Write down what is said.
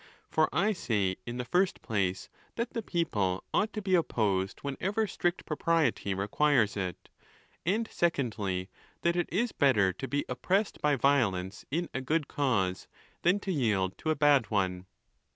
For I say, in the first place, that the people ought to be opposed whenever strict propriety requires it; and, se condly, that it is better to be oppressed by violence in a good cause, than to yield to a bad one.